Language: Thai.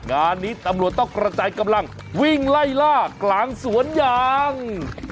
งานนี้ตำรวจต้องกระจายกำลังวิ่งไล่ล่ากลางสวนยาง